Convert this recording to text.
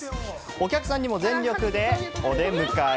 お客さんにも全力でお出迎え。